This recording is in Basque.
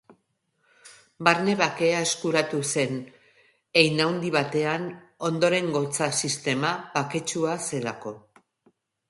Barne bakea eskuratu zen, hein handi batean, ondorengotza-sistema baketsua zelako.